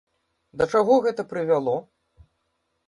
Да чаго гэта прывяло?